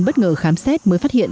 bất ngờ khám xét mới phát hiện